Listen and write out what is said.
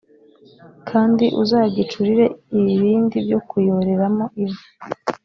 kandi uzagicurire ibibindi byo kuyoreramo ivu